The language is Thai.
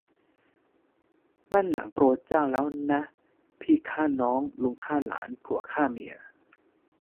นั่นหนังโปรเจ้าแล้วนะ พี่ฆ่าน้อง ลุงฆ่าหลาน ผัวฆ่าเมีย